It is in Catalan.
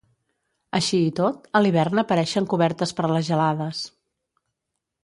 Així i tot, a l'hivern apareixen cobertes per les gelades.